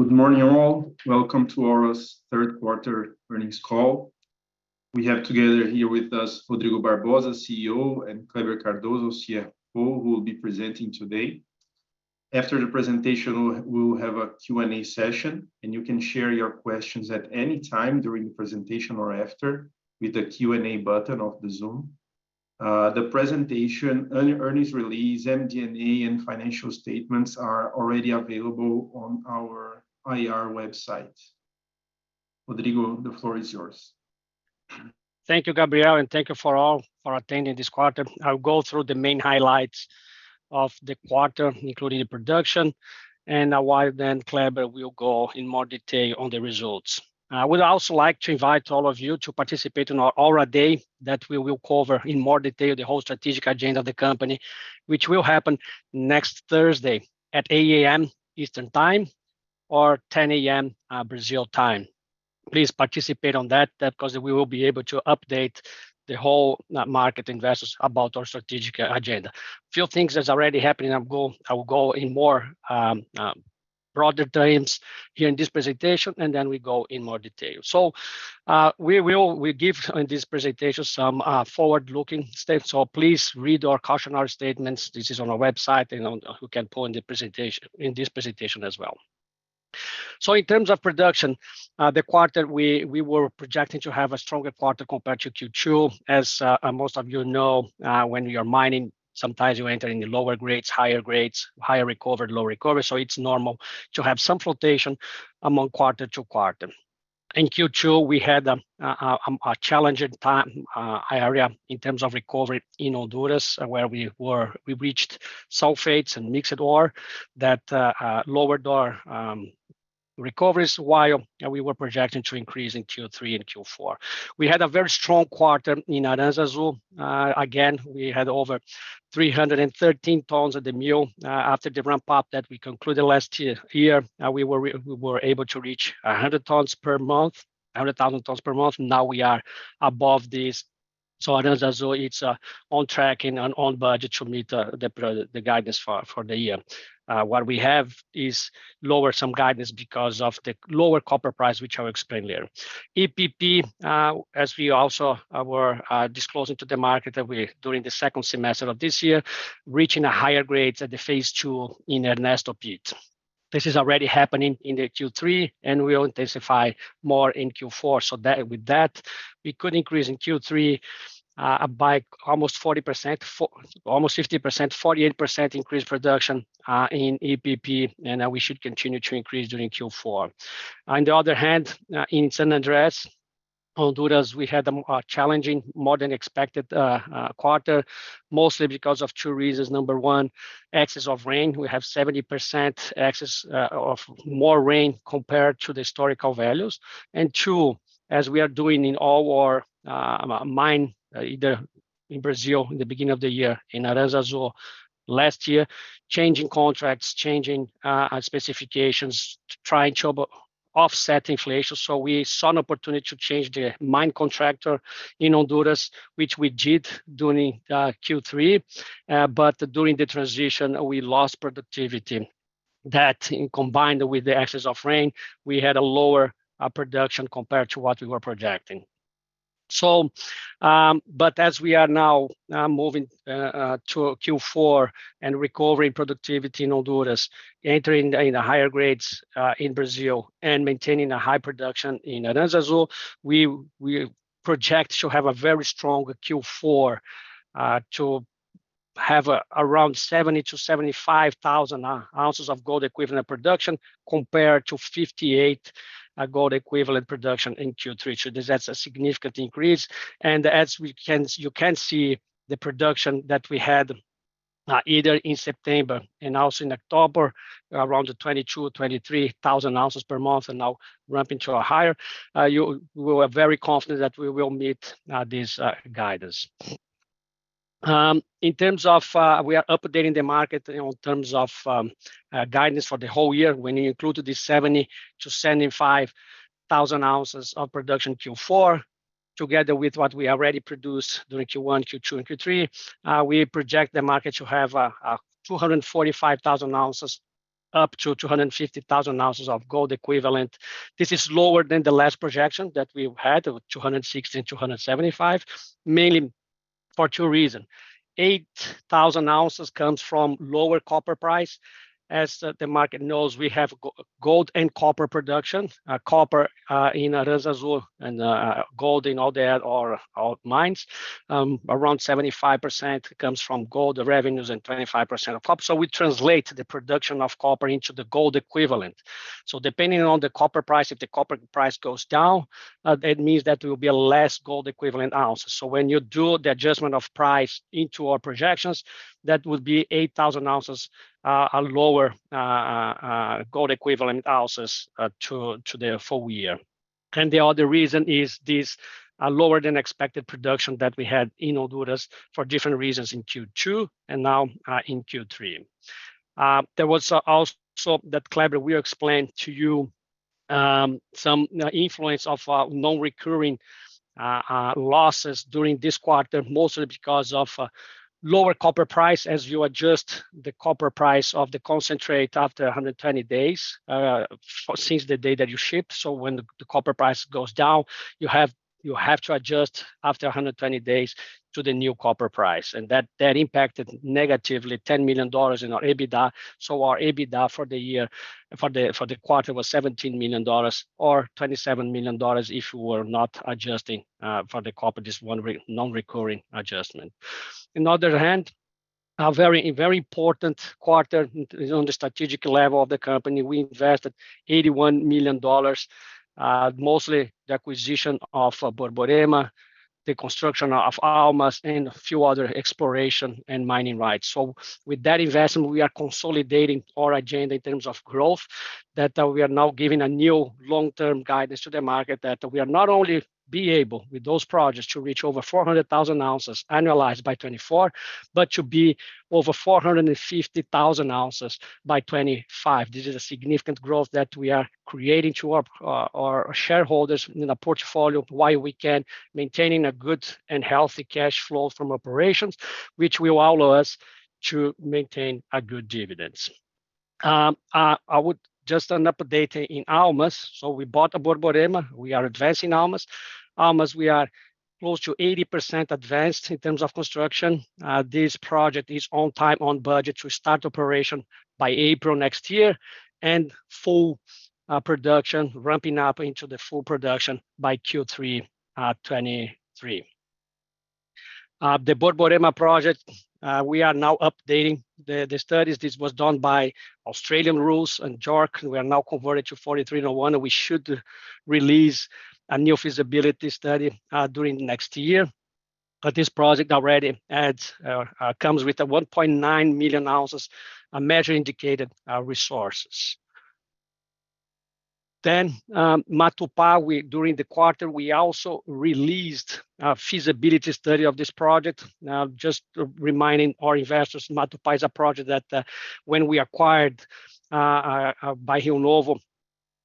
Good morning, all. Welcome to Aura's third quarter earnings call. We have together here with us Rodrigo Barbosa, CEO, and Kleber Cardoso, CFO, who will be presenting today. After the presentation, we'll have a Q&A session, and you can share your questions at any time during the presentation or after with the Q&A button of the Zoom. The presentation, earnings release, MD&A, and financial statements are already available on our IR website. Rodrigo, the floor is yours. Thank you, Gabriel, and thank you all for attending this quarter. I'll go through the main highlights of the quarter, including the production, and then Kleber will go in more detail on the results. I would also like to invite all of you to participate in our Aura Day that we will cover in more detail the whole strategic agenda of the company, which will happen next Thursday at 8:00 A.M. Eastern Time or 10:00 A.M. Brazil Time. Please participate on that because we will be able to update the whole market investors about our strategic agenda. Few things that's already happening. I will go in broader terms here in this presentation, and then we go in more detail. We give in this presentation some forward-looking statements, so please read our cautionary statements. This is on our website and in this presentation as well. In terms of production, the quarter we were projecting to have a stronger quarter compared to Q2. As most of you know, when you're mining, sometimes you encounter lower grades, higher grades, higher recovery, low recovery, so it's normal to have some fluctuation from quarter to quarter. In Q2, we had a challenging time in terms of recovery in Honduras, where we reached sulfates and mixed ore that lowered our recoveries while we were projecting to increase in Q3 and Q4. We had a very strong quarter in Aranzazu. Again, we had over 313 tons at the mill. After the ramp-up that we concluded last year, we were able to reach 100 tons per month, 100,000 tons per month. Now we are above this. Aranzazu is on track and on budget to meet the guidance for the year. What we have is lowered some guidance because of the lower copper price, which I'll explain later. EPP, as we also were disclosing to the market during the second semester of this year, reaching higher grades at phase II in Ernesto Pit. This is already happening in the Q3, and we'll intensify more in Q4. With that, we could increase in Q3 by almost 40%, almost 50%, 48% increase production in EPP, and we should continue to increase during Q4. On the other hand, in San Andrés, Honduras, we had a challenging, more than expected quarter, mostly because of two reasons. Number one, excess of rain. We have 70% excess of more rain compared to the historical values. Two, as we are doing in all our mines, either in Brazil in the beginning of the year, in Aranzazu last year, changing contracts, changing specifications to try and better offset inflation. We saw an opportunity to change the mine contractor in Honduras, which we did during Q3. But during the transition, we lost productivity. That, combined with the excess of rain, we had a lower production compared to what we were projecting. As we are now moving to Q4 and recovering productivity in Honduras, entering the higher grades in Brazil and maintaining a high production in Aranzazu, we project to have a very strong Q4 to have around 70,000 ounces-75,000 ounces of gold equivalent production, compared to 58 gold equivalent production in Q3. That's a significant increase. As you can see the production that we had either in September and also in October, around 22,000 ounces-23,000 ounces per month and now ramping to a higher, we are very confident that we will meet this guidance. In terms of, we are updating the market in terms of guidance for the whole year. When you include the 70,000 ounces-75,000 ounces of production Q4, together with what we already produced during Q1, Q2 and Q3, we project the market to have 245,000 ounces up to 250,000 ounces of gold equivalent. This is lower than the last projection that we've had of 260-275, mainly for two reasons. 8,000 ounces comes from lower copper price. As the market knows, we have gold and copper production. Copper in Aranzazu and gold in all the other our mines. Around 75% comes from gold revenues and 25% of copper. We translate the production of copper into the gold equivalent. Depending on the copper price, if the copper price goes down, that means that there will be a less gold equivalent ounces. When you do the adjustment of price into our projections, that would be 8,000 ounces, a lower gold equivalent ounces to the full year. The other reason is this, lower than expected production that we had in Honduras for different reasons in Q2 and now in Q3. There was also, that Kleber will explain to you, some influence of non-recurring losses during this quarter, mostly because of lower copper price as you adjust the copper price of the concentrate after 120 days since the day that you ship. When the copper price goes down, you have to adjust after 120 days to the new copper price. That impacted negatively $10 million in our EBITDA. Our EBITDA for the quarter was $17 million or $27 million if we were not adjusting for the copper, this one non-recurring adjustment. On the other hand, a very important quarter on the strategic level of the company, we invested $81 million, mostly the acquisition of Borborema, the construction of Almas, and a few other exploration and mining rights. With that investment, we are consolidating our agenda in terms of growth that we are now giving a new long-term guidance to the market that we are not only able, with those projects, to reach over 400,000 ounces annualized by 2024, but to be over 450,000 ounces by 2025. This is a significant growth that we are creating to our shareholders in a portfolio while we can maintain a good and healthy cash flow from operations, which will allow us to maintain a good dividends. I would just an update in Almas. We bought Borborema. We are advancing Almas. Almas, we are close to 80% advanced in terms of construction. This project is on time, on budget. We start operation by April next year and full production, ramping up into the full production by Q3 2023. The Borborema project, we are now updating the studies. This was done by Australian rules and JORC. We are now converted to NI 43-101. We should release a new feasibility study during next year. This project already comes with 1.9 million ounces measured and indicated resources. Matupá, during the quarter, we also released a feasibility study of this project. Now, just reminding our investors, Matupá is a project that, when we acquired by Rio Novo,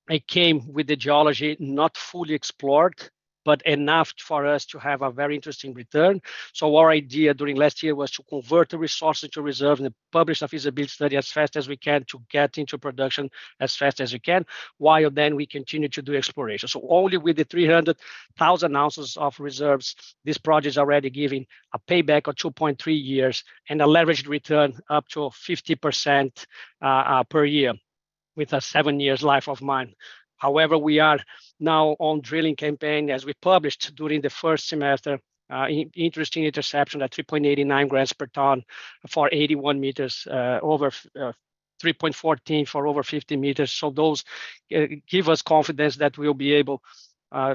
it came with the geology not fully explored, but enough for us to have a very interesting return. Our idea during last year was to convert the resources to reserve and publish a feasibility study as fast as we can to get into production as fast as we can, while then we continue to do exploration. Only with the 300,000 ounces of reserves, this project is already giving a payback of 2.3 years and a leveraged return up to 50% per year with a seven years life of mine. However, we are now on drilling campaign, as we published during the first semester, interesting intercept at 3.89 grams per tonne for 81 meters, over 3.14 for over 50 meters. Those give us confidence that we'll be able,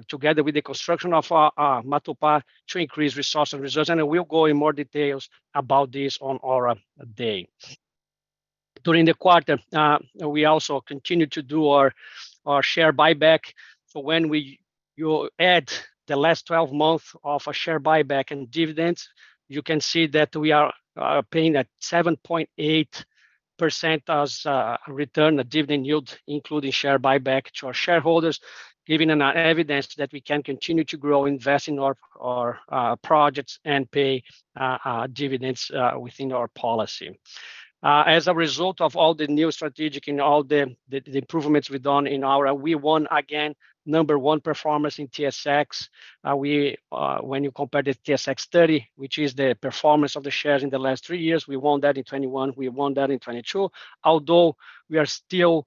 together with the construction of Matupá to increase resource and reserves. We'll go in more details about this on Aura Day. During the quarter, we also continued to do our share buyback. When you add the last 12 months of share buyback and dividends, you can see that we are paying a 7.8% as return, a dividend yield, including share buyback to our shareholders, giving evidence that we can continue to grow, invest in our projects, and pay dividends within our policy. As a result of all the new strategic and all the improvements we've done in Aura, we won again number one performance in TSX. When you compare the TSX30, which is the performance of the shares in the last three years, we won that in 2021. We won that in 2022. Although we are still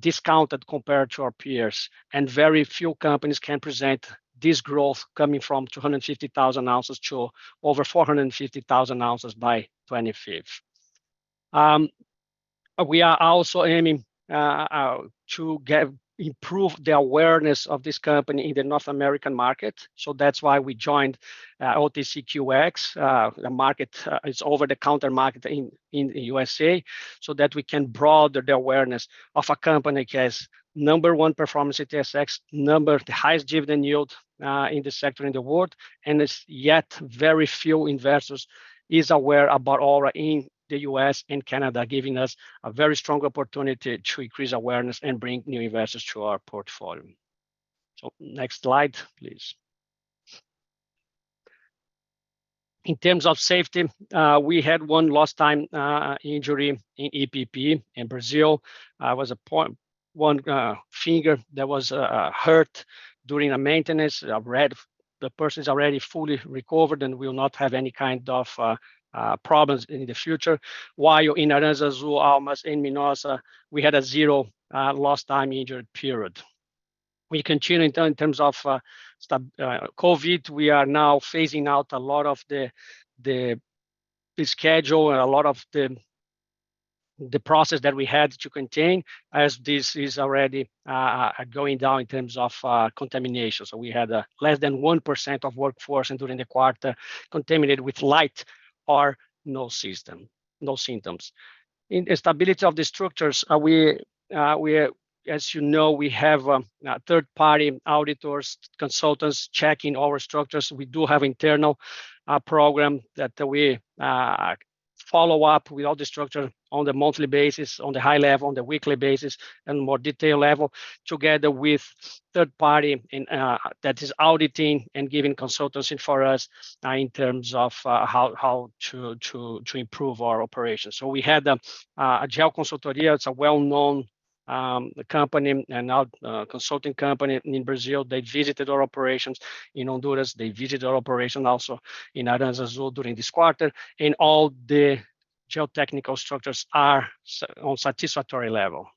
discounted compared to our peers, and very few companies can present this growth coming from 250,000 ounces to over 450,000 ounces by 2025. We are also aiming to improve the awareness of this company in the North American market. That's why we joined OTCQX, the over-the-counter market in the U.S.A. so that we can broaden the awareness of a company case. Number one performance in TSX, number one the highest dividend yield in the sector in the world. And yet very few investors is aware about Aura in the U.S. and Canada, giving us a very strong opportunity to increase awareness and bring new investors to our portfolio. Next slide, please. In terms of safety, we had one lost time injury in EPP in Brazil. It was a pinky finger that was hurt during a maintenance. The person is already fully recovered and will not have any kind of problems in the future. While in Aranzazu, Almas, San Andrés, we had a zero lost time injury period. We continue in terms of stopping COVID. We are now phasing out a lot of the schedule and a lot of the process that we had to contain as this is already going down in terms of contamination. We had less than 1% of workforce during the quarter contaminated with mild or no symptoms. In stability of the structures, as you know, we have third-party auditors, consultants checking our structures. We do have internal program that we follow up with all the structures on the monthly basis, on the high level, on the weekly basis and more detail level together with third party and that is auditing and giving consultancy for us in terms of how to improve our operations. We had a GE21 Consultoria Mineral. It's a well-known company and consulting company in Brazil. They visited our operations in Honduras. They visited our operation also in Aranzazu during this quarter, and all the geotechnical structures are on satisfactory level.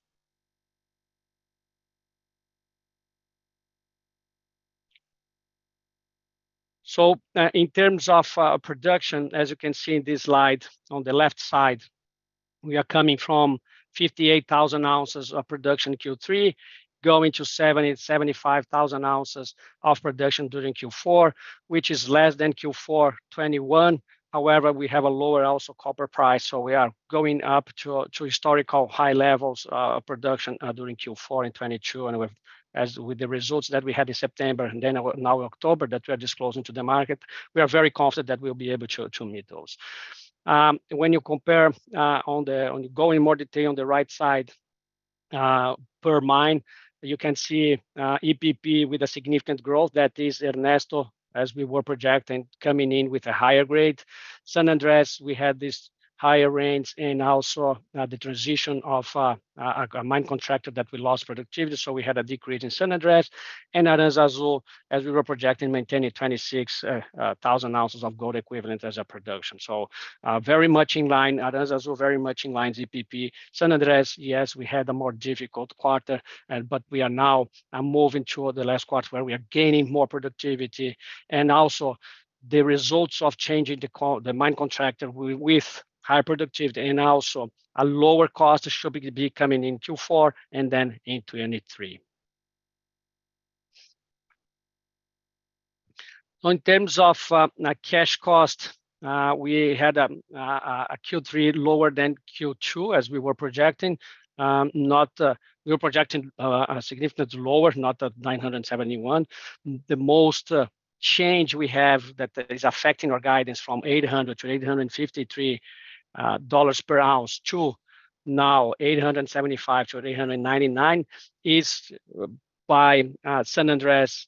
In terms of production, as you can see in this slide on the left side, we are coming from 58,000 ounces of production in Q3, going to 75,000 ounces of production during Q4, which is less than Q4 2021. However, we have a lower AISC also, higher copper price, so we are going up to historical high levels of production during Q4 2022. With the results that we had in September and then now October that we are disclosing to the market, we are very confident that we'll be able to meet those. When you compare, going into more detail on the right side, per mine, you can see EPP with a significant growth. That is Ernesto, as we were projecting, coming in with a higher grade. San Andrés, we had this higher range and also, the transition of, a mine contractor that we lost productivity. We had a decrease in San Andrés. Aranzazu, as we were projecting, maintaining 26,000 ounces of gold equivalent as a production. Very much in line. Aranzazu very much in line. EPP, San Andrés, yes, we had a more difficult quarter, but we are now moving toward the last quarter where we are gaining more productivity and also the results of changing the mine contractor with high productivity and also a lower cost should be coming in Q4 and then in 2023. In terms of cash cost, we had a Q3 lower than Q2, as we were projecting. We were projecting significantly lower, not at $971. The most change we have that is affecting our guidance from $800-$853 per ounce to now $875-$899 is by San Andrés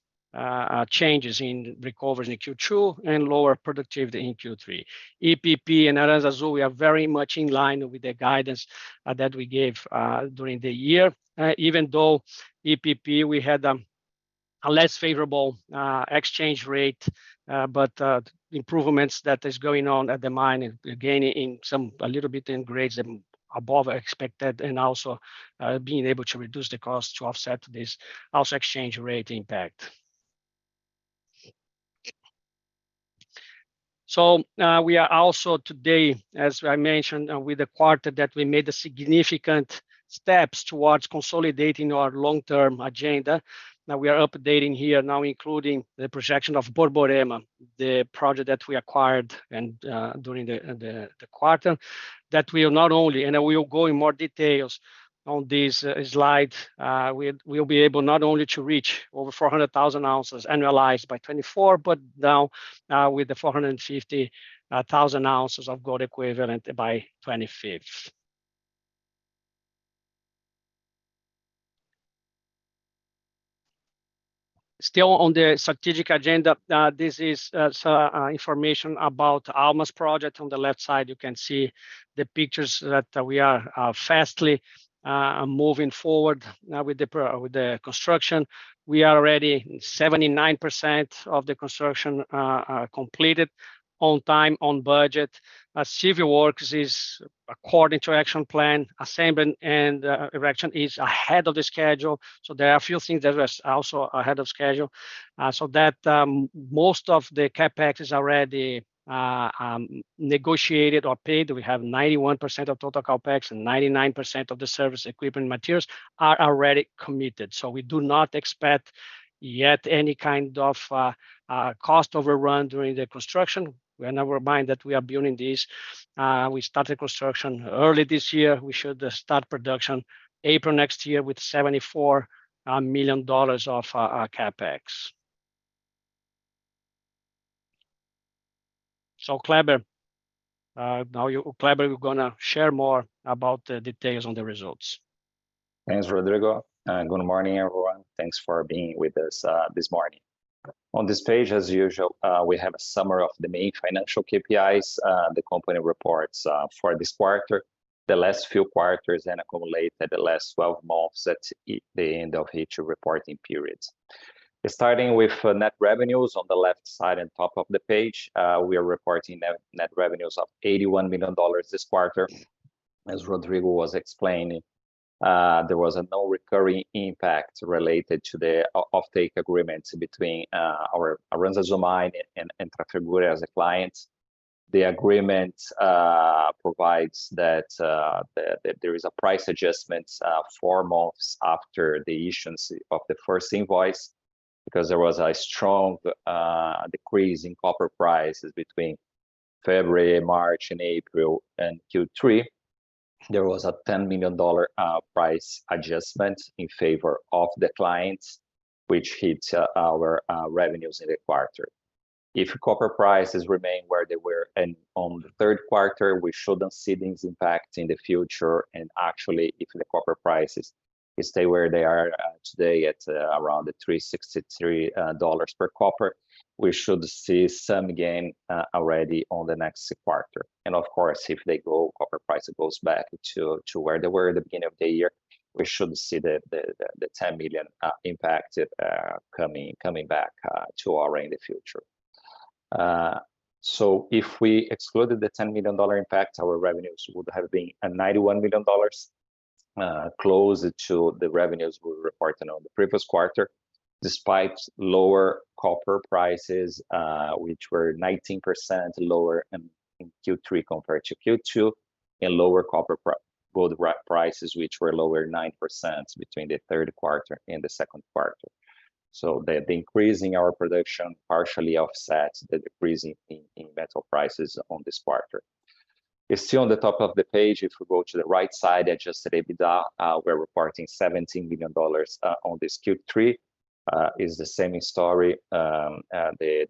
changes in recovery in Q2 and lower productivity in Q3. EPP and Aranzazu, we are very much in line with the guidance that we gave during the year. Even though EPP, we had a less favorable exchange rate, but improvements that is going on at the mine, again in some a little bit in grades above expected and also being able to reduce the cost to offset this also exchange rate impact. We are also today, as I mentioned with the quarter, that we made a significant step towards consolidating our long-term agenda. Now, we are updating here, including the projection of Borborema, the project that we acquired during the quarter. We will go into more details on this slide. We will be able not only to reach over 400,000 ounces annualized by 2024, but now with the 450,000 ounces of gold equivalent by 2025. Still on the strategic agenda, this is some information about Almas project. On the left side, you can see the pictures that we are quickly moving forward now with the construction. We are already 79% of the construction completed on time, on budget. Civil works is according to action plan. Assembly and erection is ahead of the schedule. There are a few things that was also ahead of schedule. That most of the CapEx is already negotiated or paid. We have 91% of total CapEx and 99% of the service equipment materials are already committed. We do not expect yet any kind of cost overrun during the construction. We are now reminded that we are building this. We started construction early this year. We should start production April next year with $74 million of CapEx. Kleber, now you, Kleber, you're gonna share more about the details on the results. Thanks, Rodrigo, and good morning, everyone. Thanks for being with us this morning. On this page, as usual, we have a summary of the main financial KPIs the company reports for this quarter, the last few quarters, and accumulated the last twelve months at the end of each reporting periods. Starting with net revenues on the left side and top of the page. We are reporting net revenues of $81 million this quarter. As Rodrigo was explaining, there was no recurring impact related to the offtake agreement between our Aranzazu mine and Trafigura as a client. The agreement provides that there is a price adjustment four months after the issuance of the first invoice, because there was a strong decrease in copper prices between February, March, and April in Q3. There was a $10 million price adjustment in favor of the clients, which hits our revenues in the quarter. If copper prices remain where they were in the third quarter, we shouldn't see this impact in the future. Actually, if the copper prices stay where they are today at around $363 per copper, we should see some gain already in the next quarter. Of course, copper price goes back to where they were at the beginning of the year, we should see the ten million impact coming back to ours in the future. If we excluded the $10 million impact, our revenues would have been at $91 million, closer to the revenues we reported in the previous quarter, despite lower copper prices, which were 19% lower in Q3 compared to Q2, and lower copper and gold prices, which were lower 9% between the third quarter and the second quarter. The increase in our production partially offsets the decrease in metal prices in this quarter. Still on the top of the page, if we go to the right side, adjusted EBITDA, we're reporting $17 million in this Q3. It's the same story, adjusted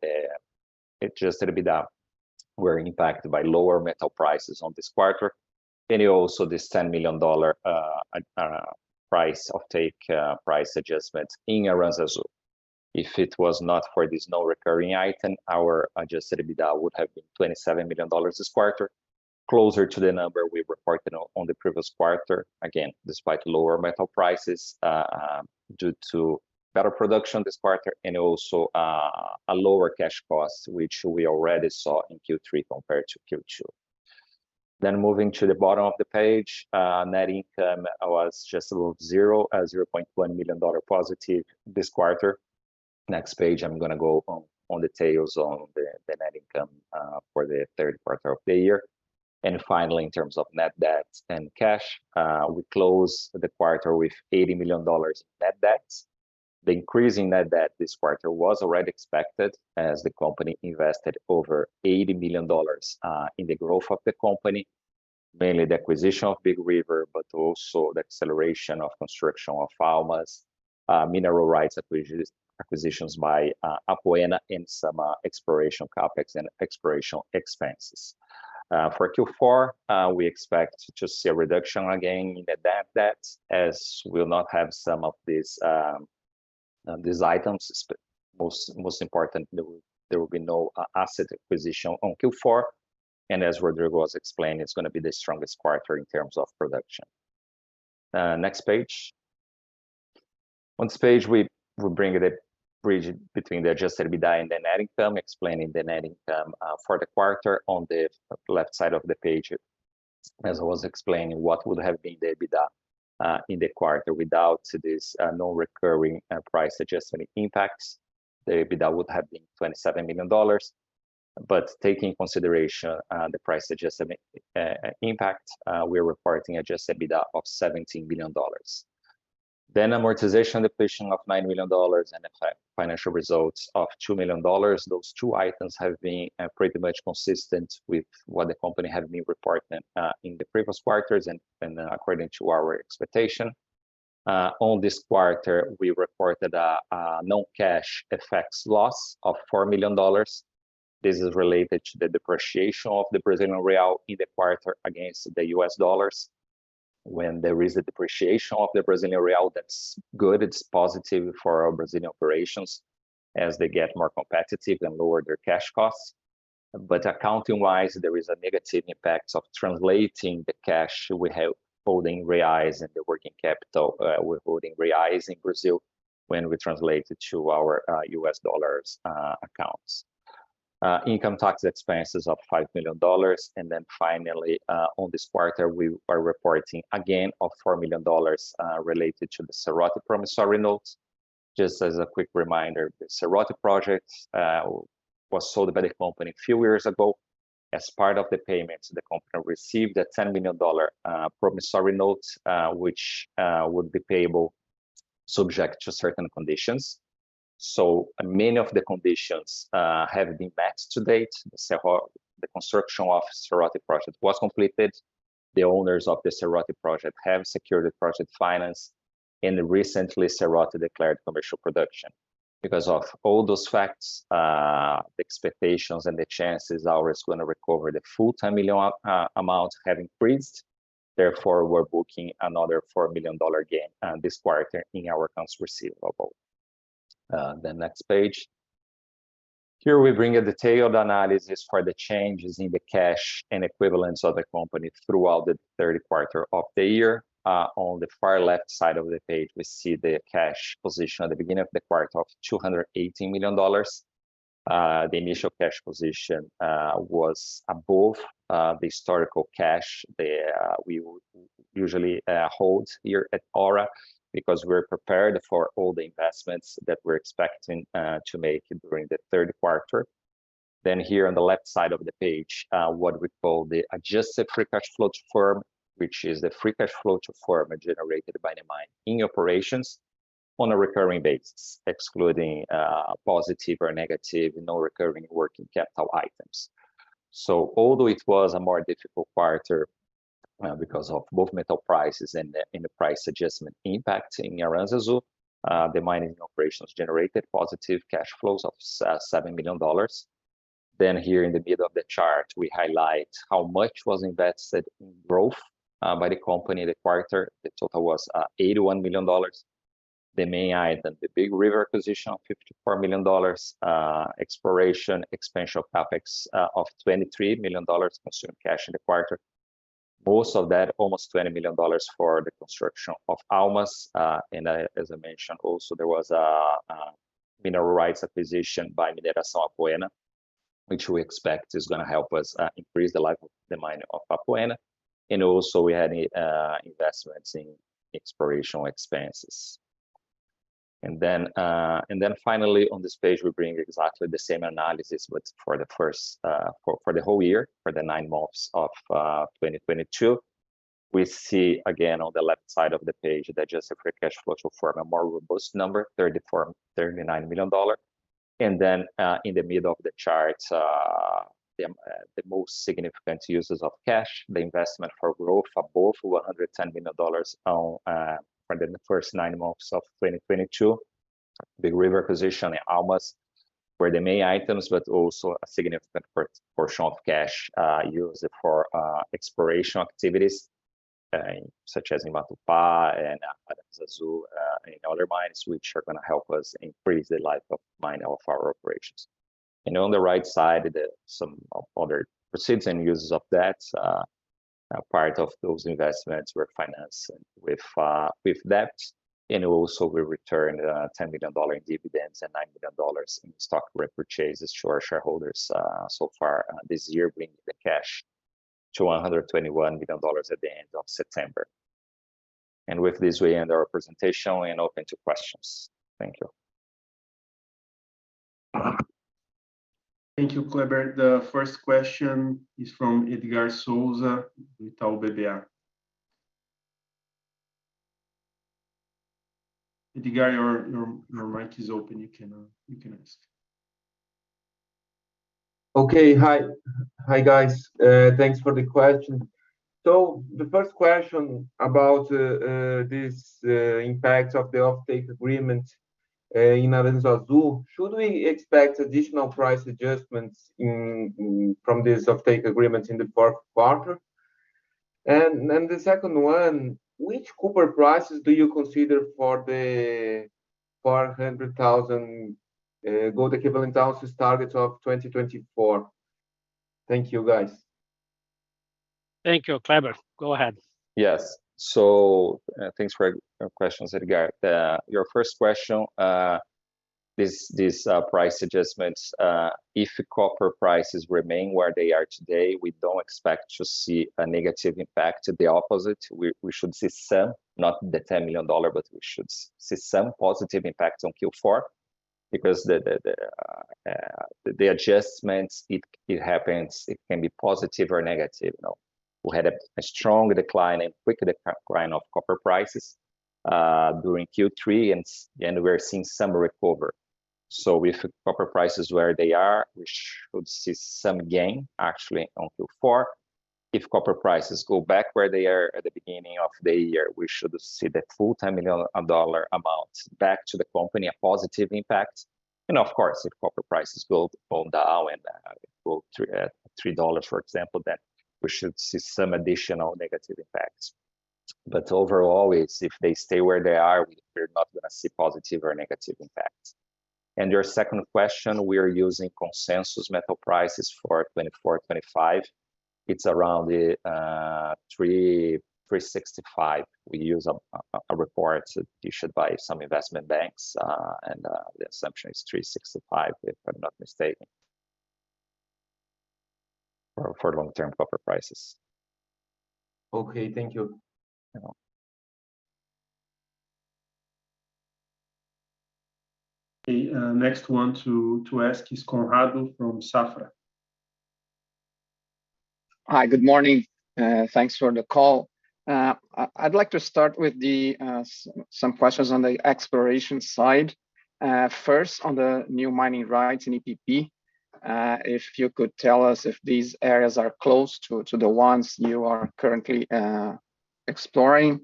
EBITDA was impacted by lower metal prices in this quarter, and also this $10 million offtake price adjustments in Aranzazu. If it was not for this non-recurring item, our adjusted EBITDA would have been $27 million this quarter, closer to the number we reported in the previous quarter. Again, despite lower metal prices, due to better production this quarter, and also a lower cash cost, which we already saw in Q3 compared to Q2. Moving to the bottom of the page, net income was just above zero, a $0.1 million positive this quarter. Next page, I'm gonna go on the details of the net income for the third quarter of the year. Finally, in terms of net debt and cash, we closed the quarter with $80 million net debt. The increase in net debt this quarter was already expected, as the company invested over $80 million in the growth of the company, mainly the acquisition of Big River, but also the acceleration of construction of Almas, mineral rights acquisitions by Apoena and some exploration CapEx and exploration expenses. For Q4, we expect to see a reduction again in the net debt as we'll not have some of these items. Most importantly, there will be no asset acquisition on Q4. As Rodrigo has explained, it's gonna be the strongest quarter in terms of production. Next page. On this page, we bring the bridge between the adjusted EBITDA and net income, explaining the net income for the quarter. On the left side of the page, as I was explaining, what would have been the EBITDA in the quarter without these non-recurring price adjustment impacts. The EBITDA would have been $27 million. Taking into consideration the price adjustment impact, we're reporting adjusted EBITDA of $17 million. Amortization and depreciation of $9 million and the financial results of $2 million. Those two items have been pretty much consistent with what the company had been reporting in the previous quarters and according to our expectation. On this quarter, we reported a non-cash effects loss of $4 million. This is related to the depreciation of the Brazilian real in the quarter against the U.S. dollars. When there is a depreciation of the Brazilian real, that's good, it's positive for our Brazilian operations as they get more competitive and lower their cash costs. Accounting-wise, there is a negative impact of translating the cash we're holding in reais in the working capital. We're holding reais in Brazil when we translate it to our U.S. dollars accounts. Income tax expenses of $5 million. Finally, on this quarter, we are reporting a gain of $4 million related to the Serrote promissory notes. Just as a quick reminder, the Serrote project was sold by the company a few years ago. As part of the payments, the company received a $10 million promissory note, which would be payable subject to certain conditions. Many of the conditions have been met to date. The construction of Serrote project was completed. The owners of the Serrote project have secured the project finance. Recently, Serrote declared commercial production. Because of all those facts, the expectations and the chances are it's gonna recover the full $10 million amount have increased. Therefore, we're booking another $4 million gain this quarter in our accounts receivable. Next page. Here we bring a detailed analysis for the changes in the cash and equivalents of the company throughout the third quarter of the year. On the far left side of the page, we see the cash position at the beginning of the quarter of $280 million. The initial cash position was above the historical cash that we would usually hold here at Aura, because we're prepared for all the investments that we're expecting to make during the third quarter. Here on the left side of the page, what we call the adjusted free cash flow to firm, which is the free cash flow to firm generated by the mining operations on a recurring basis, excluding positive or negative non-recurring working capital items. Although it was a more difficult quarter, because of both metal prices and the price adjustment impact in Aranzazu, the mining operations generated positive cash flows of $7 million. Here in the middle of the chart, we highlight how much was invested in growth by the company in the quarter. The total was $81 million. The main item, the Big River acquisition of $54 million, exploration, expansion CapEx of $23 million consumed cash in the quarter. Most of that, almost $20 million for the construction of Almas. As I mentioned also, there was mineral rights acquisition by Mineração Apoena, which we expect is gonna help us increase the life of the mine of Apoena. Also, we had investments in exploration expenses. Finally on this page, we bring exactly the same analysis but for the whole year, for the nine months of 2022. We see again on the left side of the page the adjusted free cash flow to firm a more robust number, $34.39 million. Then, in the middle of the chart, the most significant users of cash, the investment for growth total $110 million for the first nine months of 2022. Brownfield position in Almas were the main items, but also a significant portion of cash used for exploration activities, such as in Matupá and Aranzazu, and other mines which are gonna help us increase the life of mine of our operations. On the right side, then some other proceeds and uses of that. A part of those investments were financed with debt, and also we returned $10 million in dividends and $9 million in stock repurchases to our shareholders so far this year, bringing the cash to $121 million at the end of September. With this, we end our presentation. We are open to questions. Thank you. Thank you, Kleber. The first question is from Edgard Souza with Itaú BBA. Edgard, your mic is open. You can ask. Okay. Hi. Hi, guys. Thanks for the question. The first question about this impact of the offtake agreement in Aranzazu. Should we expect additional price adjustments in from this offtake agreement in the fourth quarter? Then the second one, which copper prices do you consider for the 400,000 gold equivalent ounces targets of 2024? Thank you, guys. Thank you. Kleber, go ahead. Yes. Thanks for your questions, Edgard. Your first question, this price adjustments, if copper prices remain where they are today, we don't expect to see a negative impact. To the opposite, we should see some, not the $10 million, but we should see some positive impact on Q4 because the adjustments, it happens, it can be positive or negative. You know, we had a strong decline and quick decline of copper prices during Q3 and we're seeing some recovery. With copper prices where they are, we should see some gain actually on Q4. If copper prices go back where they are at the beginning of the year, we should see the full $10 million amount back to the company, a positive impact. Of course, if copper prices go down and go to $3 for example, then we should see some additional negative impacts. Overall, if they stay where they are, we're not gonna see positive or negative impacts. Your second question, we are using consensus metal prices for 2024, 2025. It's around $3.65. We use a report from some investment banks, and the assumption is $3.65 if I'm not mistaken for long-term copper prices. Okay. Thank you. You're welcome. The next one to ask is Conrado from Safra. Hi. Good morning. Thanks for the call. I'd like to start with some questions on the exploration side. First on the new mining rights in EPP, if you could tell us if these areas are close to the ones you are currently exploring,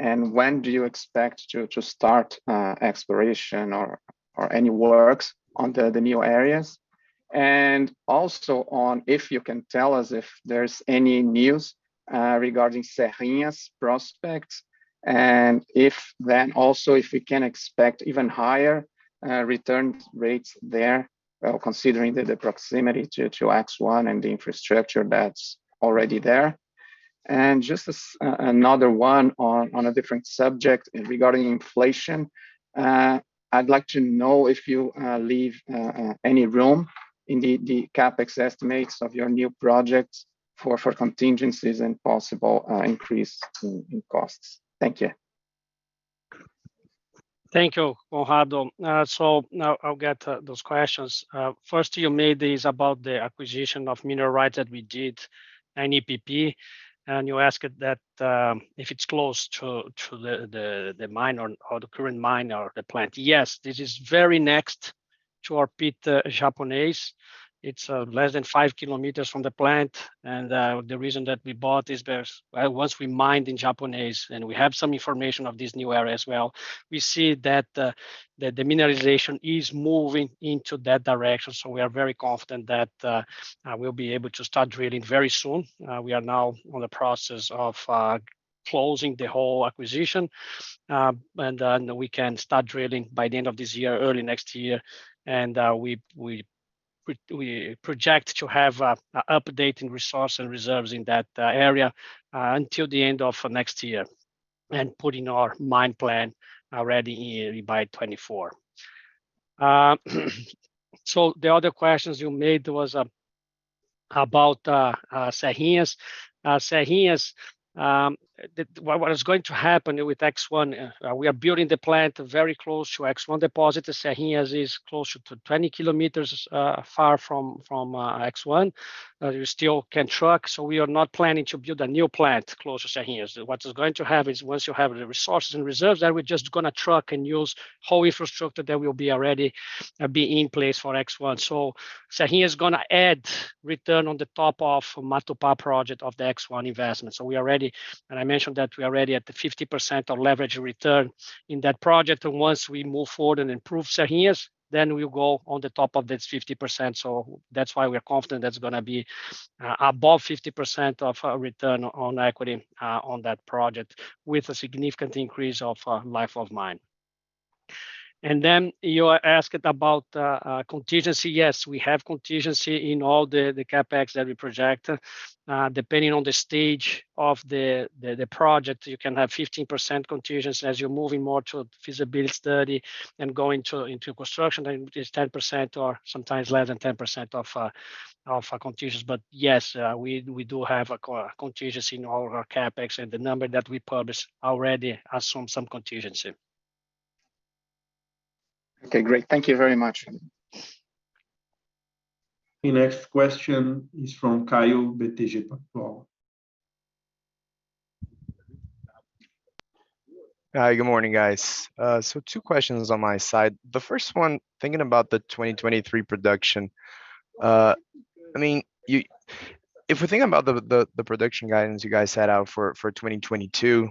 and when do you expect to start exploration or any works on the new areas? Also, if you can tell us if there's any news regarding Serrinhas prospects, and if we can expect even higher return rates there, considering the proximity to X1 and the infrastructure that's already there. Just as another one on a different subject regarding inflation, I'd like to know if you leave any room in the CapEx estimates of your new projects for contingencies and possible increase in costs. Thank you. Thank you, Conrado. Now I'll get those questions. First, you made is about the acquisition of mineral rights that we did in EPP, and you asked that if it's close to the mine or the current mine or the plant. Yes, this is very next to our pit, Japonês. It's less than 5 km from the plant. The reason that we bought is once we mined in Japonês, and we have some information of this new area as well, we see that the mineralization is moving into that direction, so we are very confident that we'll be able to start drilling very soon. We are now in the process of closing the whole acquisition, and then we can start drilling by the end of this year, early next year. We project to have an updating resource and reserves in that area until the end of next year and putting our mine plan already by 2024. The other questions you made was about Serrinhas. Serrinhas, what is going to happen with X1, we are building the plant very close to X1 deposit. Serrinhas is close to 20 km far from X1. You still can truck, so we are not planning to build a new plant close to Serrinhas. What is going to happen is once you have the resources and reserves there, we're just gonna truck and use whole infrastructure that will be already in place for X1. Serrinhas is gonna add return on the top of Matupá project of the X1 investment. I mentioned that we are already at the 50% of leverage return in that project. Once we move forward and improve Serrinhas, then we'll go on top of this 50%. That's why we're confident that's gonna be above 50% of return on equity on that project with a significant increase of life of mine. Then you asked about contingency. Yes, we have contingency in all the CapEx that we project. Depending on the stage of the project, you can have 15% contingency. As you're moving more to feasibility study and going into construction, then it is 10% or sometimes less than 10% of contingency. Yes, we do have a contingency in all of our CapEx, and the number that we publish already assumes some contingency. Okay, great. Thank you very much. The next question is from Caio Greiner at BTG Pactual. Hi, good morning, guys. Two questions on my side. The first one, thinking about the 2023 production, I mean, if we're thinking about the production guidance you guys set out for 2022,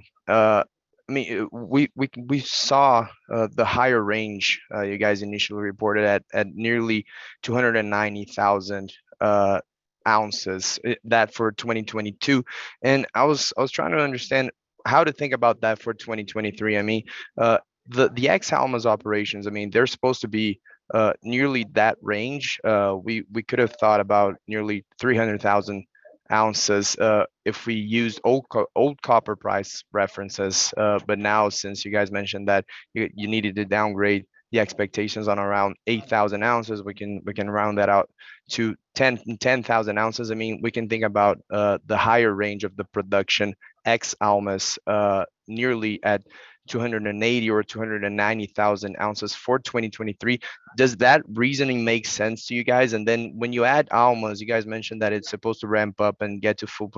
I mean, we saw the higher range you guys initially reported at nearly 290,000 ounces that for 2022. I was trying to understand how to think about that for 2023. I mean, the ex-Almas operations, I mean, they're supposed to be nearly that range. We could have thought about nearly 300,000 ounces if we used old copper price references. Now, since you guys mentioned that you needed to downgrade the expectations on around 8,000 ounces, we can round that out to 10,000 ounces. I mean, we can think about the higher range of the production ex-Almas nearly at 280,000 or 290,000 ounces for 2023. Does that reasoning make sense to you guys? When you add Almas, you guys mentioned that it is supposed to ramp up and get to full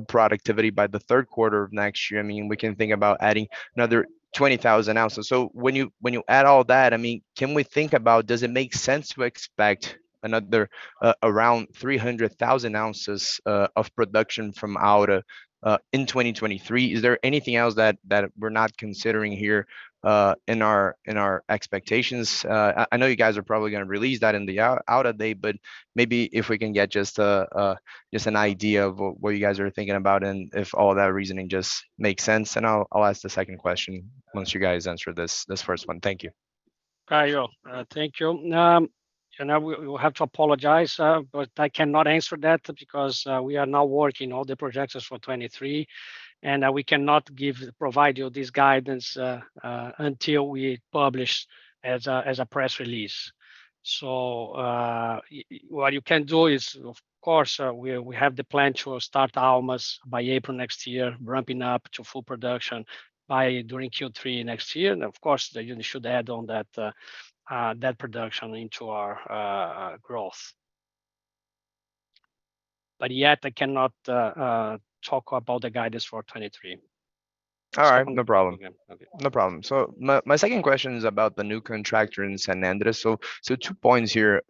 productivity by the third quarter of next year. I mean, we can think about adding another 20,000 ounces. When you add all that, I mean, can we think about, does it make sense to expect another around 300,000 ounces of production from Aura in 2023? Is there anything else that we're not considering here in our expectations? I know you guys are probably gonna release that in the Aura Day, but maybe if we can get just an idea of what you guys are thinking about, and if all that reasoning just makes sense. I'll ask the second question once you guys answer this first one. Thank you. Caio, thank you. I will have to apologize, but I cannot answer that because we are now working all the projections for 2023, and we cannot provide you this guidance until we publish as a press release. What you can do is, of course, we have the plan to start Almas by April next year, ramping up to full production by during Q3 next year. Of course, then you should add on that production into our growth. Yet I cannot talk about the guidance for 2023. All right. No problem. Okay. No problem. My second question is about the new contractor in San Andrés. Two points here.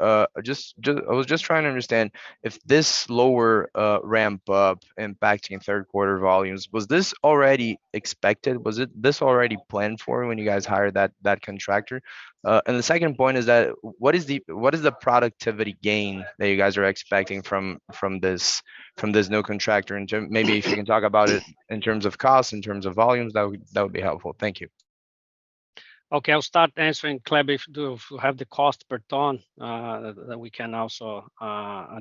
Just I was just trying to understand if this lower ramp-up impacting third quarter volumes was already expected. Was this already planned for when you guys hired that contractor? The second point is that what is the productivity gain that you guys are expecting from this new contractor in terms. Maybe if you can talk about it in terms of costs, in terms of volumes, that would be helpful. Thank you. Okay. I'll start answering. Kleber, if you have the cost per ton that we can also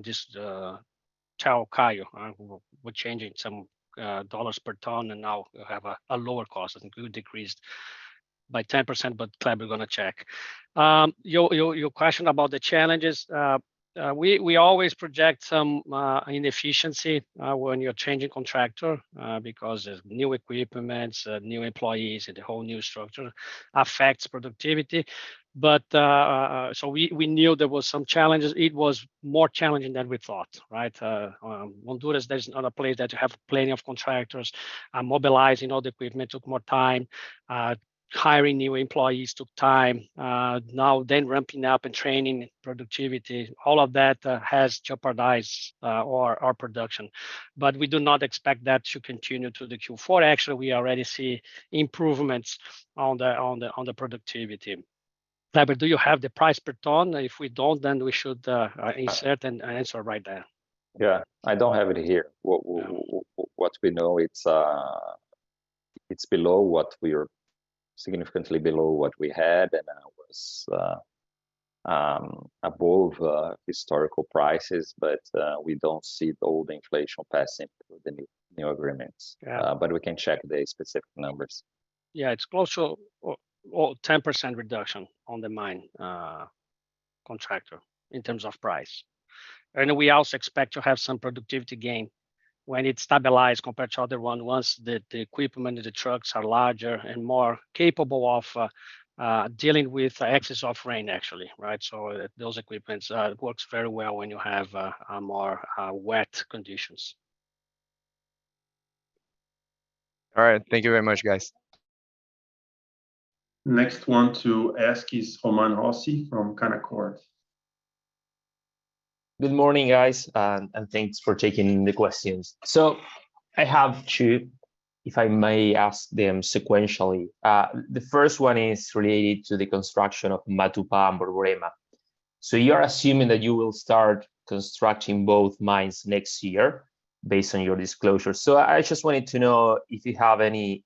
just Caio, we're changing some $ per ton and now we'll have a lower cost. I think we will decrease by 10%, but Kleber gonna check. Your question about the challenges. We always project some inefficiency when you're changing contractors because there's new equipment, new employees, and a whole new structure affects productivity. We knew there was some challenges. It was more challenging than we thought, right? Honduras, that is not a place that you have plenty of contractors. Mobilizing all the equipment took more time. Hiring new employees took time. Ramping up and training, productivity, all of that has jeopardized our production. We do not expect that to continue to the Q4. Actually, we already see improvements on the productivity. Kleber, do you have the price per ton? If we don't, then we should insert an answer right there. Yeah. I don't have it here. What we know is, it's significantly below what we had and now is above historical prices. We don't see the old inflation passing with the new agreements. Yeah. We can check the specific numbers. Yeah. It's close to 10% reduction on the mine contractor in terms of price. We also expect to have some productivity gain when it stabilizes compared to other one. Once the equipment and the trucks are larger and more capable of dealing with excess of rain, actually. Right? Those equipment works very well when you have a more wet condition. All right. Thank you very much, guys. Next one to ask is Román Rossi from Canaccord. Good morning, guys, and thanks for taking the questions. I have two, if I may ask them sequentially. The first one is related to the construction of Matupá and Borborema. You're assuming that you will start constructing both mines next year based on your disclosure. I just wanted to know if you have any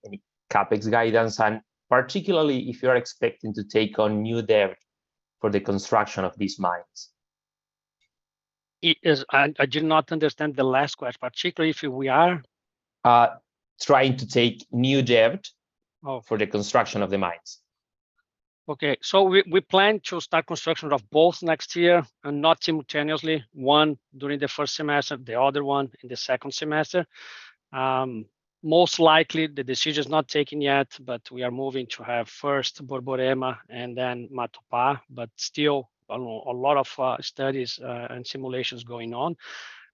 CapEx guidance and particularly if you are expecting to take on new debt for the construction of these mines. I did not understand the last question. Particularly if we are? Trying to take new debt. For the construction of the mines. We plan to start construction of both next year and not simultaneously. One during the first semester, the other one in the second semester. Most likely the decision is not taken yet, but we are moving to have first Borborema and then Matupá. Still a lot of studies and simulations going on.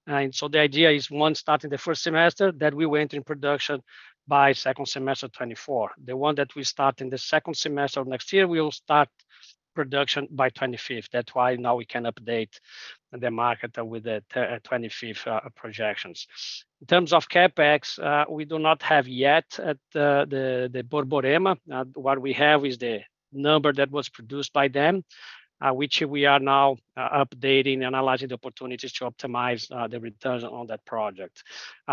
The idea is one starting the first semester, that we will enter in production by second semester 2024. The one that we start in the second semester of next year, we will start production by 2025. That's why now we can update the market with the 2025 projections. In terms of CapEx, we do not have yet at the Borborema. What we have is the number that was produced by them, which we are now updating, analyzing the opportunities to optimize the return on that project.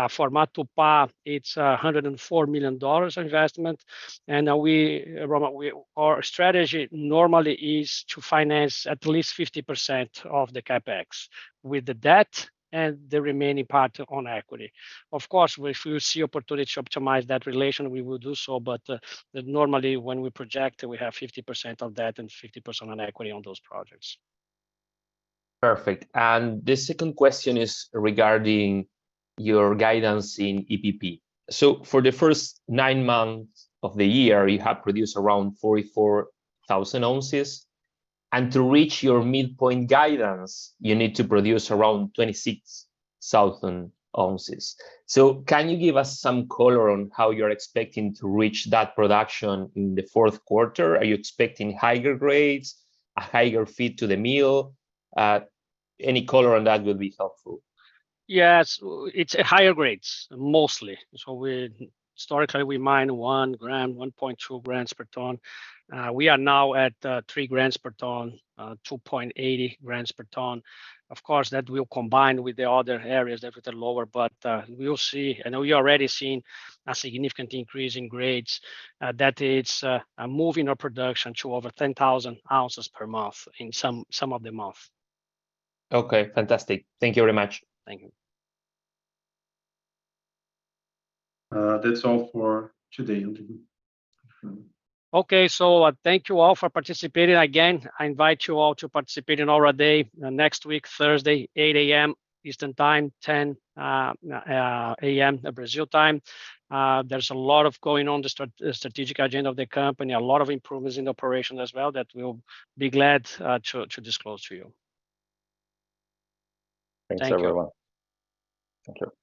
For Matupá, it's $104 million investment. We, Román, our strategy normally is to finance at least 50% of the CapEx with the debt and the remaining part on equity. Of course, if we see opportunity to optimize that relation, we will do so, but normally when we project, we have 50% on debt and 50% on equity on those projects. Perfect. The second question is regarding your guidance in EPP. For the first nine months of the year, you have produced around 44,000 ounces, and to reach your midpoint guidance, you need to produce around 26,000 ounces. Can you give us some color on how you're expecting to reach that production in the fourth quarter? Are you expecting higher grades? A higher feed to the mill? Any color on that would be helpful. Yes. It's higher grades mostly. Historically, we mine 1 gram, 1.2 grams per ton. We are now at 3 grams per ton, 2.80 grams per ton. Of course, that will combine with the other areas that with the lower. We'll see. I know you already seen a significant increase in grades that it's moving our production to over 10,000 ounces per month in some of the month. Okay. Fantastic. Thank you very much. Thank you. That's all for today. Okay. Thank you all for participating. Again, I invite you all to participate in Aura Day next week, Thursday, 8:00 A.M. Eastern Time, 10:00 A.M. Brazil Time. There's a lot going on the strategic agenda of the company, a lot of improvements in operation as well that we'll be glad to disclose to you. Thank you. Thanks, everyone. Thank you.